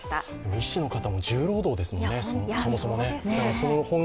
医師の方も重労働ですもんね、そもそも。